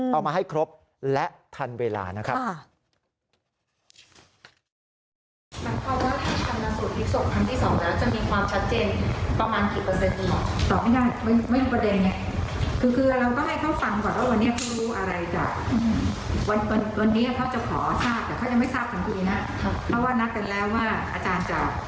เอามาให้ครบและทันเวลานะครับ